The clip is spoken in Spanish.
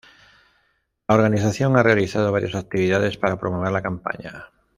La organización ha realizado varias actividades para promover la campaña.